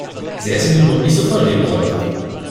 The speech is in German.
Sie hätte den Mund nicht so voll nehmen sollen.